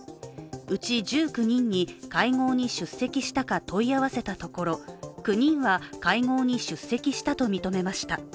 うち１９人に会合に出席したか問い合わせたところ、９人は会合に出席したと認めました。